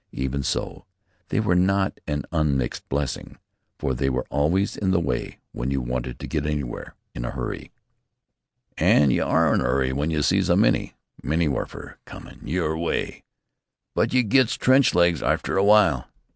Even so they were not an unmixed blessing, for they were always in the way when you wanted to get anywhere in a hurry. "An' you are in a 'urry w'en you sees a Minnie [Minnenwerfer] comin' your w'y. But you gets trench legs arter a w'ile.